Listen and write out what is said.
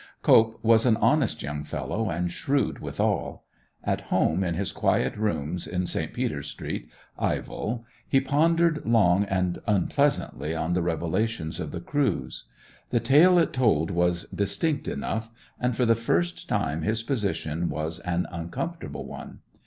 Cope was an honest young fellow, and shrewd withal. At home in his quiet rooms in St. Peter's Street, Ivell, he pondered long and unpleasantly on the revelations of the cruise. The tale it told was distinct enough, and for the first time his position was an uncomfortable one.